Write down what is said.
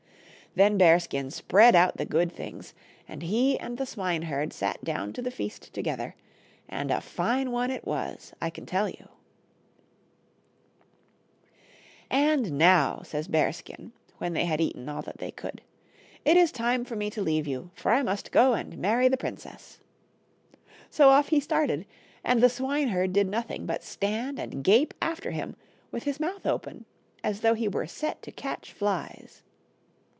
Then Bearskin spread out the good things, and he and the swineherd sat down to the feast together, and a fine one it was, I can tell you. BEARSKIN. 13 " And now," says Bearskin, when they had eaten all that they could, " it is time for me to leave you, for I must go and marry the princess." So off he started, and the swineherd did nothing but stand and gape after him, with his mouth open, as though he were set to catch flies.